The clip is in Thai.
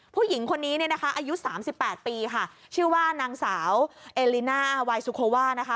ผู้หญิงคนนี้เนี่ยนะคะอายุสามสิบแปดปีค่ะชื่อว่านางสาวเอลิน่าไวซูโคว่านะคะ